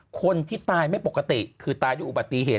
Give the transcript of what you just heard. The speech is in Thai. คนที่ตายไม่ปกติคือตายด้วยอุบัติเหตุ